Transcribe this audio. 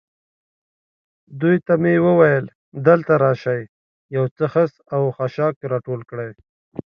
دوی ته مې وویل: دلته راشئ، یو څه خس او خاشاک را ټول کړئ.